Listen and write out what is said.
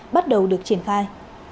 bắt đầu được triển khai